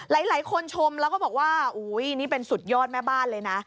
หลายคนชมแล้วก็บอกว่าอุ้ยนี่เป็นสุดยอดแม่บ้านเลยนะ